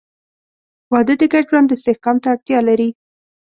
• واده د ګډ ژوند استحکام ته اړتیا لري.